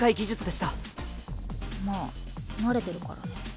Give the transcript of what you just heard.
まあ慣れてるからね。